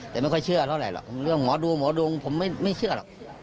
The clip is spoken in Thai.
แต่ไม่ค่อยเชื่อเท่าไหรหรอกเรื่องหมอดูหมอดูผมไม่เชื่อหรอก